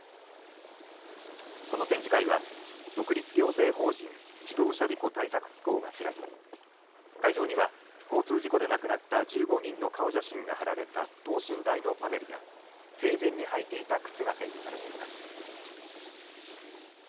この展示会は独立行政法人自動車事故対策機構が開き会場には交通事故で亡くなった１５人の顔写真が貼られた等身大のパネルや生前に履いていた靴が展示されています。